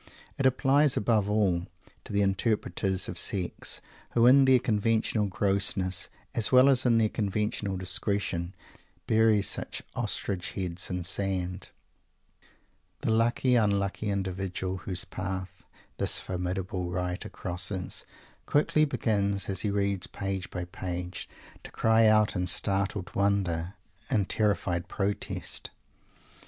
It applies, above all, to the interpreters of Sex, who, in their conventional grossness, as well as in their conventional discretion, bury such Ostrich heads in the sand! The lucky unlucky individual whose path this formidable writer crosses, quickly begins, as he reads page by page, to cry out in startled wonder, in terrified protest.